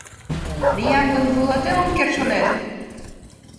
— Лиям гын, вуйлатен ом керт шонет?